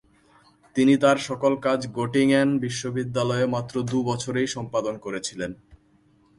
তিনি তার সকল কাজ গটিঙেন বিশ্ববিদ্যালয়ে মাত্র দু'বছরেই সম্পাদন করেছিলেন।